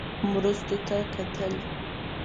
مرستو ته کتل.